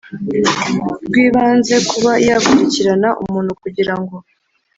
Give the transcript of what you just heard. rw Ibanze kuba yakurikirana umuntu kugira ngo